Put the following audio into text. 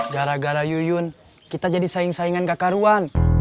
gara gara yuyun kita jadi saing saingan kekaruan